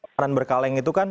makanan berkaleng itu kan